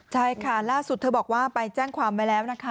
ใช่ค่ะล่าสุดเธอบอกว่าไปแจ้งความไว้แล้วนะคะ